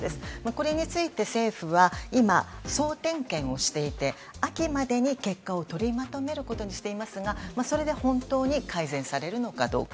これについて政府は今、総点検をしていて秋までに結果を取りまとめることにしていますがそれで本当に改善されるのかどうか。